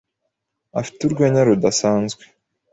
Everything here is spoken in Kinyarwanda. afite urwenya rudasanzwe.